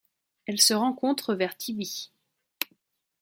Elle se rencontre vers Tibi.